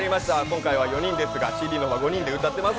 今回４人ですがＣＤは５人で歌っています。